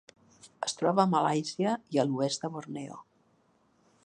Es troba a Malàisia i a l'oest de Borneo.